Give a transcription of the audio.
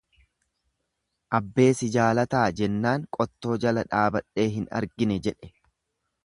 Abbee si jaalataa jennaan qottoo jala dhaabadhee hin argine jedhe.